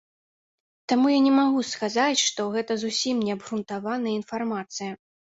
Таму я не магу сказаць, што гэта зусім неабгрунтаваная інфармацыя.